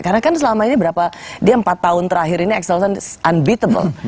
karena kan selama ini berapa dia empat tahun terakhir ini axelson unbeatable